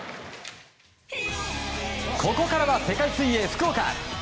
ここからは世界水泳福岡。